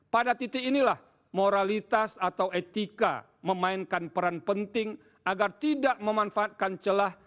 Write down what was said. pada titik inilah moralitas atau etika memainkan peran penting agar tidak memanfaatkan celah